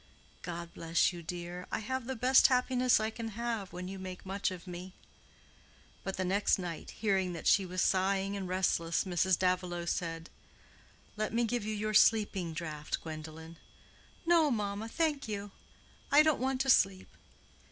"God bless you, dear; I have the best happiness I can have, when you make much of me." But the next night, hearing that she was sighing and restless Mrs. Davilow said, "Let me give you your sleeping draught, Gwendolen." "No, mamma, thank you; I don't want to sleep."